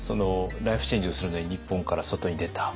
ライフチェンジをするのに日本から外に出た。